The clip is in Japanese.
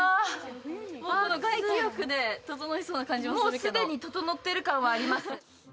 もう既にととのってる感はあります。